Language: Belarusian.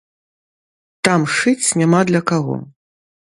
Там шыць няма для каго.